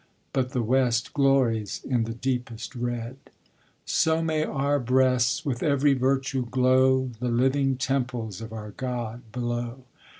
But the west glories in the deepest red; So may our breasts with every virtue glow The living temples of our God below!